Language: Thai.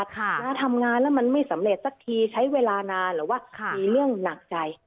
ถ้าทำงานแล้วมันไม่สำเร็จสักทีใช้เวลานานหรือว่ามีเรื่องหนักใจ